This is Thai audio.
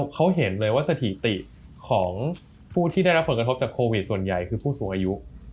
เขาเห็นเลยว่าสถิติของผู้ที่ได้รับผลกระทบจากโควิดส่วนใหญ่คือผู้สูงอายุ